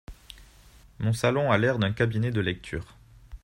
Mon salon a l’air d’un cabinet de lecture.